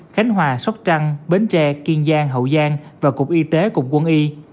khánh hòa sóc trăng bến tre kiên giang hậu giang và cục y tế cục quân y